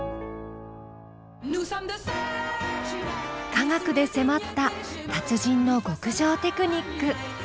科学でせまった達人の極上テクニック。